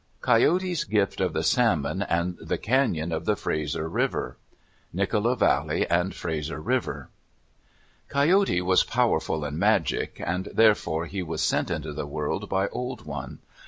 COYOTE'S GIFT OF THE SALMON AND THE CAÑON OF THE FRASER RIVER Nicola Valley and Fraser River Coyote was powerful in magic, and therefore he was sent into the world by Old One.